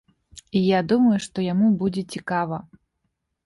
І я думаю, што яму будзе цікава.